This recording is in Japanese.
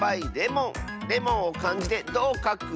レモンをかんじでどうかく？